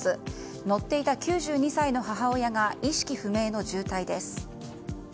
乗っていた９２歳の母親が意識不明の重体です。